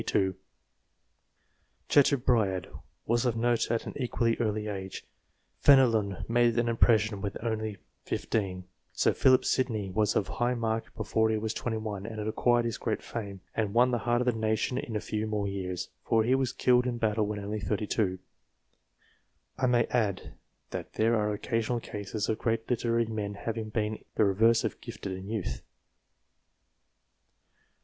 22 ; Chateaubriand was of note at an equally early age; Fenelon made an impression when only 15 ; Sir Philip M 162 LITERARY MEN Sidney was of high mark before he was 21, and had acquired his great fame, and won the heart of the nation in a few more years, for he was killed in battle when only 32. I may add, that there are occasional cases of great literary men having been the reverse of gifted in youth.